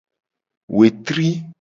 Wetri.